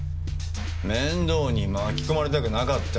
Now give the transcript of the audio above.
面倒に巻き込まれたくなかった。